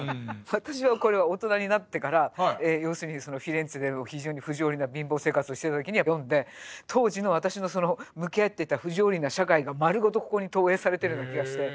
私はこれは大人になってから要するにフィレンツェで非常に不条理な貧乏生活をしてた時に読んで当時の私のその向き合っていた不条理な社会が丸ごとここに投影されてるような気がして。